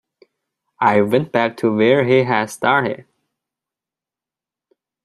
I went back to where we had started.